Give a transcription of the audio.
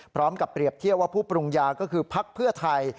เปรียบเทียบว่าผู้ปรุงยาก็คือพักเพื่อไทย